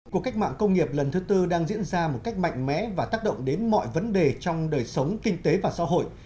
cuộc cách mạng công nghiệp lần thứ tư đang diễn ra một cách mạnh mẽ và tác động đến mọi vấn đề trong đời sống kinh tế và xã hội